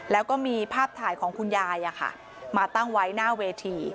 แล้วก็มีภาพถ่ายของคุณยายมาตั้งไว้หน้าเวที